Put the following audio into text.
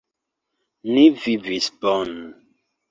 Ni vivis bone.